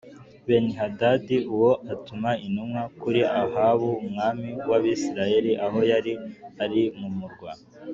Benihadadi uwo atuma intumwa kuri Ahabu umwami w’Abisirayeli aho yari ari mu murwa